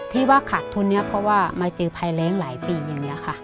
ที่ว่าขาดทุนนี้เพราะว่ามาเจอภัยแรงหลายปีอย่างนี้ค่ะ